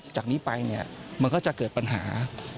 จากนี้ไปเนี่ยมันก็จะเกิดปัญหา